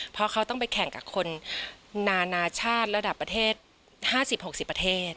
เพราะเขาต้องไปแข่งกับคนนานาชาติระดับประเทศ๕๐๖๐ประเทศ